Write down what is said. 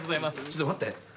ちょっと待って。